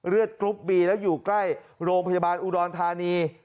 กรุ๊ปบีแล้วอยู่ใกล้โรงพยาบาลอุดรธานี